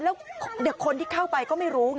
แล้วคนที่เข้าไปก็ไม่รู้